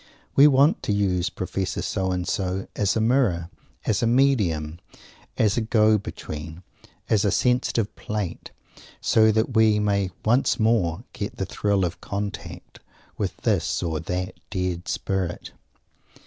We want to use Professor So and so as a Mirror, as a Medium, as a Go Between, as a Sensitive Plate, so that we may once more get the thrill of contact with this or that dead Spirit.